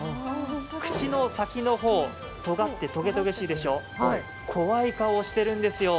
口の先の方、とがってとげとげしいでしょ、怖い顔してるんですよ。